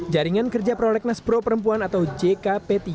jaringan kerja prolegnas pro perempuan atau jkp tiga